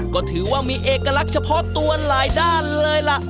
ก็ถือว่ามีเอกลักษณ์เฉพาะตัวหลายด้านเลยล่ะ